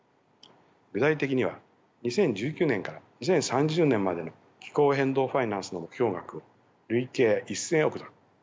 具体的には２０１９年から２０３０年までの気候変動ファイナンスの目標額を累計１，０００億ドル